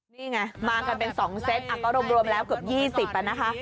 นี่ไงมากันเป็นสองเซตอ่ะก็รวมแล้วเกือบยี่สิบอ่ะนะคะ